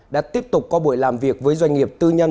đã tiếp tục có buổi làm việc với doanh nghiệp tư nhân